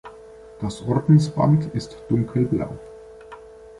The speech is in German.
Das Ordensband ist dunkelblau.